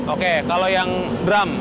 oke kalau yang drum